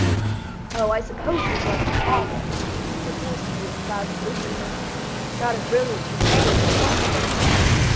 "Oh, I suppose he is like the father; he seems to be as proud as Lucifer. Not a brilliant companion, though, I should think."